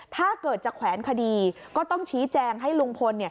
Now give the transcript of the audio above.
ถ้าเกิดจะแขวนคดีก็ต้องชี้แจงให้ลุงพล